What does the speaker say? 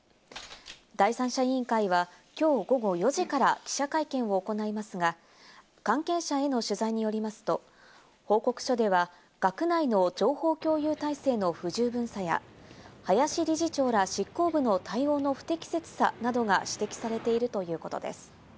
第三者委員会はきょう午後４時から記者会見を行いますが、関係者への取材によりますと、報告書では、学内の情報共有体制の不十分さや、林理事長ら執行部の対応の不適切さなどが指摘されているということです。